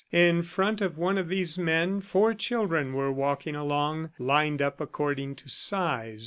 In front of one of these men, four children were walking along, lined up according to size.